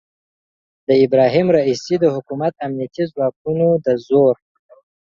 د ابراهیم رئیسي د حکومت امنیتي ځواکونو د زور